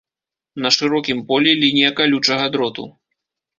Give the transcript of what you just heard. На шырокім полі лінія калючага дроту.